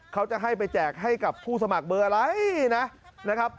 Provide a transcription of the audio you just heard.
เขาจะให้ไปแจกให้กับผู้สมัครเบอร์อะไรนะครับ